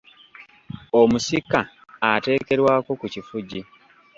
Omusika ateekerwako ku kifugi.